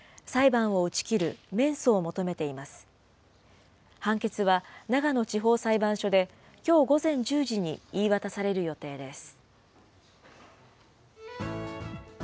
判決は長野地方裁判所で、きょう午前１０時に言い渡される予定です。